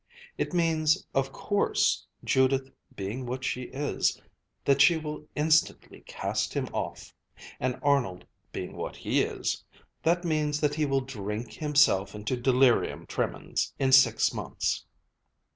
It means, of course, Judith being what she is, that she will instantly cast him off; and Arnold being what he is, that means that he will drink himself into delirium tremens in six months.